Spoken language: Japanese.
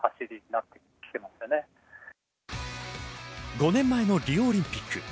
５年前のリオオリンピック。